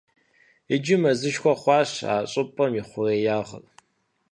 Иджы мэзышхуэ хъужащ а щӏыпӏэм и хъуреягъыр.